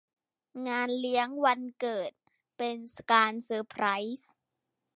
งานเลี้ยงวันเกิดเป็นการเซอร์ไพรส์